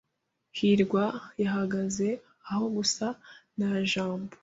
hirwa yahagaze aho gusa nta jambo.